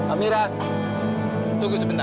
amirah tunggu sebentar